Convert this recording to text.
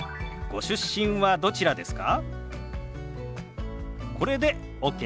ご出身はどちらですか？